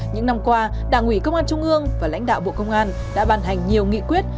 những năm qua đảng ủy công an trung ương và lãnh đạo bộ công an đã ban hành nhiều nghị quyết